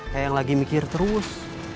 kayak yang lagi mikir terus